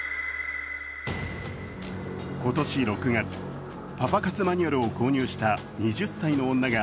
今年６月、パパ活マニュアルを購入した２０歳の女が